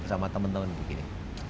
sama teman teman begini